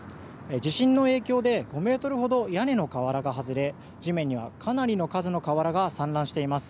地震の影響で５ｍほど屋根の瓦が外れ地面にはかなりの数の瓦が散乱しています。